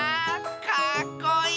かっこいい！